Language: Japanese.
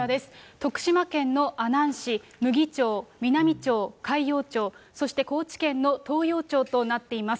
徳島県の阿南市、牟岐町、美波町、海陽町、そして高知県の東洋町となっています。